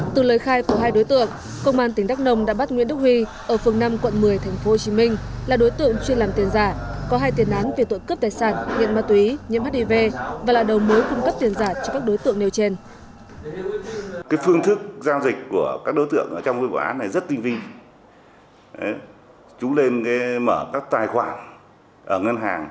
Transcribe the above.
từ lời khai của hai đối tượng công an tỉnh đắk nông đã bắt nguyễn đức huy ở phường năm quận một mươi tp hcm là đối tượng chuyên làm tiền giả có hai tiền án về tội cướp tài sản nghiện ma túy nhiễm hiv và là đầu mối cung cấp tiền giả cho các đối tượng nêu trên